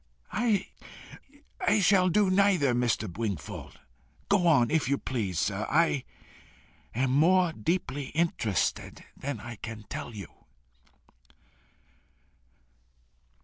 "I shall do neither, Mr. Wingfold. Go on, if you please, sir. I am more deeply interested than I can tell you."